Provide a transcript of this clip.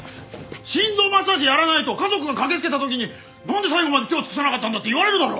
心臓マッサージやらないと家族が駆けつけた時になんで最後まで手を尽くさなかったんだって言われるだろ！